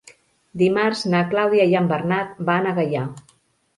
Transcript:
Dimarts na Clàudia i en Bernat van a Gaià.